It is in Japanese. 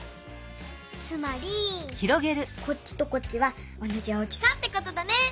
つまりこっちとこっちはおなじ大きさってことだね！